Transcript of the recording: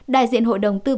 đại diện hội đồng tư vấn đề